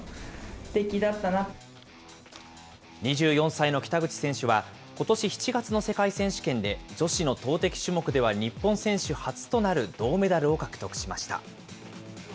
２４歳の北口選手は、ことし７月の世界選手権で、女子の投てき種目では日本選手初となる銅メダルを獲得しました。